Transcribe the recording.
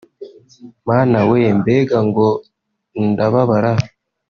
Mana We Mbega Ngo Ndababara